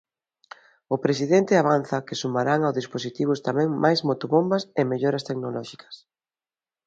O presidente avanza que sumarán ao dispositivos tamén máis motobombas e melloras tecnolóxicas.